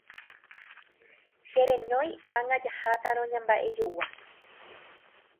Cherenói ág̃a jahátarõ ñamba'ejogua.